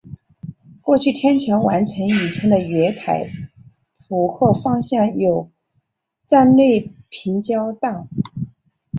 过去天桥完成以前的月台浦贺方向有站内平交道。